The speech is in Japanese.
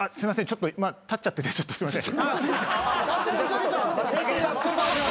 ちょっと今たっちゃっててちょっとすいません。